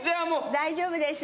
大丈夫ですよ。